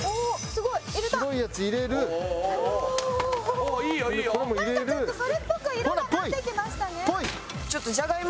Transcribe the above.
ちょっとそれっぽく色がなってきましたね。